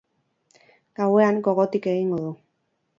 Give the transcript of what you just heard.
Gauean, gogotik egingo du.